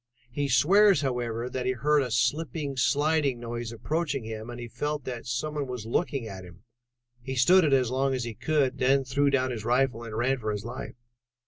He swears, however, that he heard a slipping, sliding noise approaching him, and he felt that some one was looking at him. He stood it as long as he could and then threw down his rifle and ran for his life."